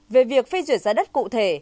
về việc phê duyệt giá đất cụ thể